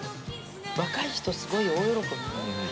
若い人すごい大喜び。